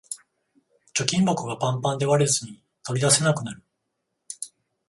貯金箱がパンパンで割れずに取り出せなくなる